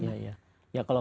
ya kalau kayak tahun lalu